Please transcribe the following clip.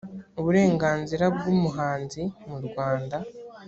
uburenganzira bw umuhanzi mu rwanda